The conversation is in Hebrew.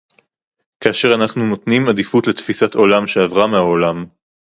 כאשר אנחנו נותנים עדיפות לתפיסת עולם שעברה מהעולם